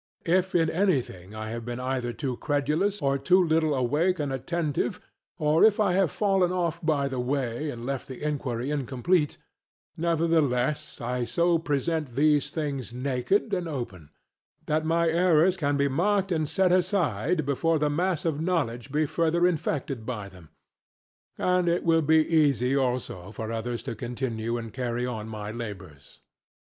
And for myself, if in anything I have been either too credulous or too little awake and attentive, or if I have fallen off by the way and left the inquiry incomplete, nevertheless I so present these things naked and open, that my errors can be marked and set aside before the mass of knowledge be further infected by them; and it will be easy also for others to continue and carry on my labours.